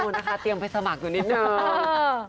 นะคะเตรียมไปสมัครอยู่นิดนึง